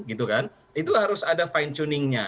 itu harus ada fine tuningnya